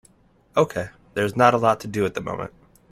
Okay, there is not a lot to do at the moment.